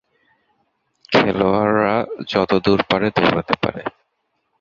খেলোয়াড়রা যতদূর পারে দৌড়াতে পারে।